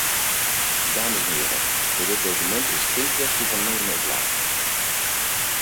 Dames en heren, voor dit document is het geen kwestie van nemen of laten.